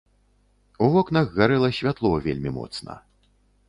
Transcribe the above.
У вокнах гарэла святло вельмі моцна.